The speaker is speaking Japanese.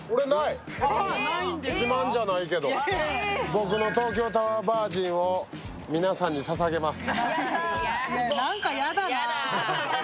僕の東京タワーバージンを皆さんにささげます。